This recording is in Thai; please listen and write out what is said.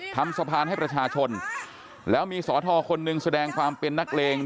ทำสะพานให้ประชาชนแล้วมีสอทอคนหนึ่งแสดงความเป็นนักเลง